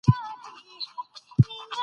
که ناروغي په وخت ونه پیژندل شي، خطر زیاتېږي.